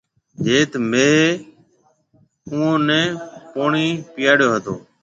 جيٿ مهيَ اُوئون نَي پوڻِي پِياڙيو هتو۔